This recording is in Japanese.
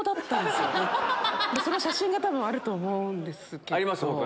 その写真があると思うんですけど。